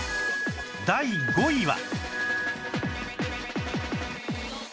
第５位は